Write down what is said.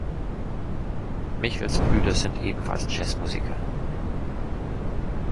Michels Brüder sind ebenfalls Jazzmusiker.